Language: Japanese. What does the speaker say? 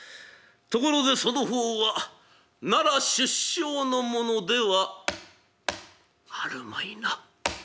ところでその方は奈良出生の者ではあるまいな。